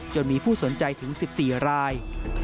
จนมีผู้สนใจถึง๑๔ราย